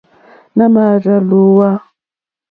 Nà mà àrzá lǒhwà.